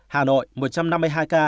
hà nội một trăm năm mươi hai ca